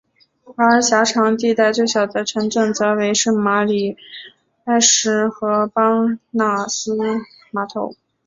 而狭长地带最小的城镇则为圣玛里埃什和邦纳斯码头。